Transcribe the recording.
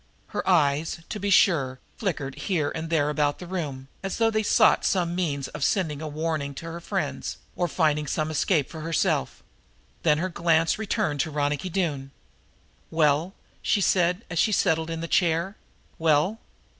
Her eyes, to be sure, flickered here and there about the room, as though they sought some means of sending a warning to her friends, or finding some escape for herself. Then her glance returned to Ronicky Doone. "Well," she said, as she settled in the chair. "Well?"